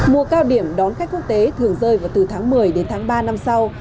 mùa cao điểm đón khách quốc tế thường rơi vào từ tháng một mươi đến tháng ba năm sau